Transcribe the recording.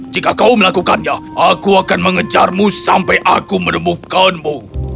jika kau melakukannya aku akan mengejarmu sampai aku menemukanmu